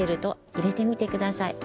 いれてみてください。